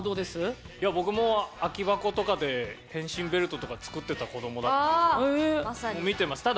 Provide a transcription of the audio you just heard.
僕も空き箱とかで変身ベルト作ってた子どもだったので見てました。